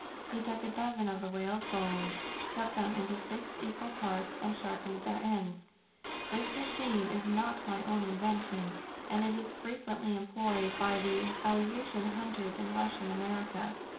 He took a dozen of the whale's bones, cut them into six equal parts, and sharpened their ends. "This machine is not my own invention, and it is frequently employed by the Aleutian hunters in Russian America.